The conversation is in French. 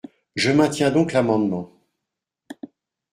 Je maintiens donc l’amendement.